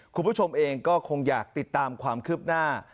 คุณผู้ชมเองก็คงอยากติดตามความคืบหน้า